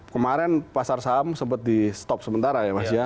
kemarin pasar saham sempat di stop sementara ya mas ya